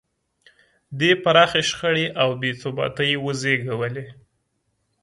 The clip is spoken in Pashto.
دې پراخې شخړې او بې ثباتۍ وزېږولې.